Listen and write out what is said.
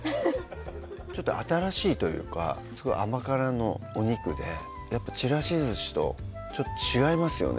ちょっと新しいというか甘辛のお肉でやっぱちらしずしとちょっと違いますよね